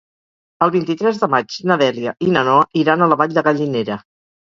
El vint-i-tres de maig na Dèlia i na Noa iran a la Vall de Gallinera.